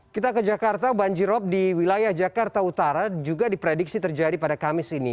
kita ke jakarta banjirop di wilayah jakarta utara juga diprediksi terjadi pada kamis ini